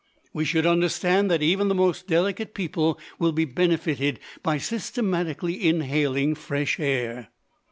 We should understand that even the most delicate people will be benefitted by systematically inhaling fresh air.